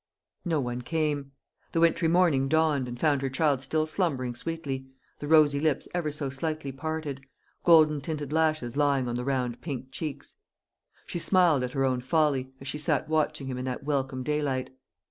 No one came. The wintry morning dawned, and found her child still slumbering sweetly, the rosy lips ever so slightly parted, golden tinted lashes lying on the round pink cheeks. She smiled at her own folly, as she sat watching him in that welcome daylight.